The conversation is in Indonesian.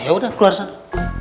yaudah keluar sana